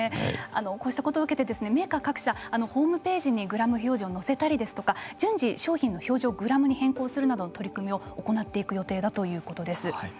こうしたことを受けてメーカー各社ホームページにグラム表示を載せたりとか順次商品の表示をグラム表示にするという取り組みを行っていく予定だということです。